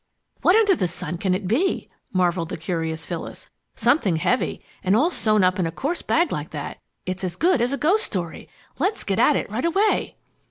"What under the sun can it be?" marveled the curious Phyllis. "Something heavy, and all sewed up in a coarse bag like that! It's as good as a ghost story. Let's get at it right away."